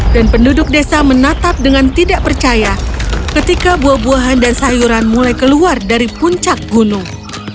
dan penduduk desa menatap dengan tidak percaya ketika buah buahan dan sayuran mulai keluar dari puncak gunung